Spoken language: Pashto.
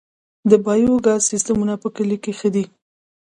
د بایو ګاز سیستمونه په کلیو کې ښه دي